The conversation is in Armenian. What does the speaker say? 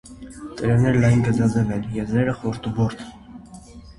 Տերևները լայն գծաձև են, եզրերը խորդուբորդ։